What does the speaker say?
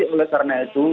oleh karena itu